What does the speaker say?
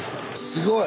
すごい。